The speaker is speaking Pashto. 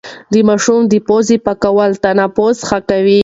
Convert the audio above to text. د ماشوم د پوزې پاکول تنفس ښه کوي.